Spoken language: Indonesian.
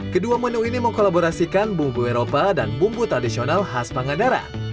kedua menu ini mengkolaborasikan bumbu eropa dan bumbu tradisional khas pangandaran